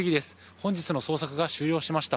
本日の捜索が終了しました。